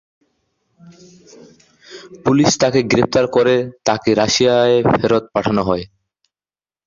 Police তাকে গ্রেফতার করে, তাকে রাশিয়ায় ফেরত পাঠানো হয়।